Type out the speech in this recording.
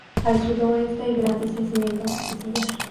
Al sudoeste hay grandes yacimiento de sillar.